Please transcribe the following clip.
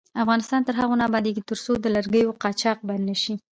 افغانستان تر هغو نه ابادیږي، ترڅو د لرګیو قاچاق بند نشي.